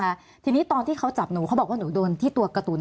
ค่ะทีนี้ตอนที่เขาจับหนูเขาบอกว่าหนูโดนที่ตัวการ์ตูน